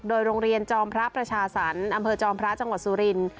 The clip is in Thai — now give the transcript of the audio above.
โดยโรงเรียนจอมพระประชาสรรค์อำเภอจอมพระจังหวัดสุรินทร์